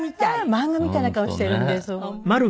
漫画みたいな顔しているんです。